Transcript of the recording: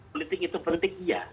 politik itu penting ya